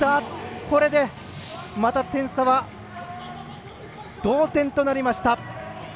これで、また点差は同点となりました。